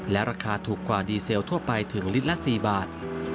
และราคาถูกกว่าดีเซลทั่วไปถึงลิตรละ๔บาท